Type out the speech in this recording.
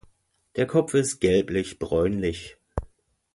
Der Kopf ist gelblich-bräunlich.